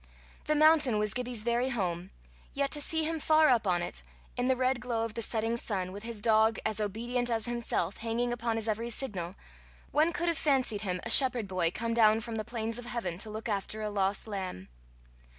The mountain was Gibbie's very home; yet to see him far up on it, in the red glow of the setting sun, with his dog, as obedient as himself, hanging upon his every signal, one could have fancied him a shepherd boy come down from the plains of heaven to look after a lost lamb.